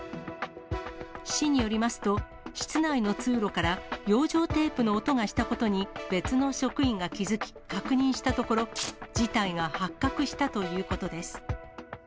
市によりますと、室内の通路から養生テープの音がしたことに、別の職員が気付き、確認したところ、事態が発覚したということです。